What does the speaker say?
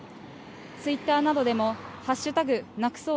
ツイッターなどでも＃なくそう